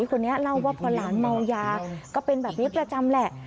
คนนี้เล่าว่าพอหลานเมายาก็เป็นแบบนี้ประจำแหละ